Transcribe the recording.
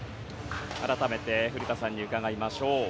改めて古田さんに伺いましょう。